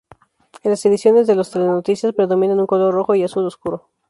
En las ediciones, de los Telenoticias, predominan un color rojo y azul oscuro.